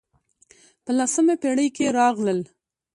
په لسمه پېړۍ کې راغلل.